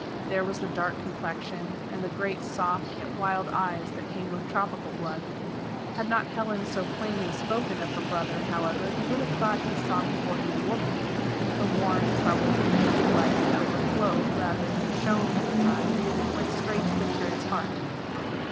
There was the dark complexion and the great soft yet wild eyes that came of tropical blood. Had not Helen so plainly spoken of her brother, however, he would have thought he saw before him a woman. The worn, troubled, appealing light that overflowed rather than shone from his eyes, went straight to the curate's heart.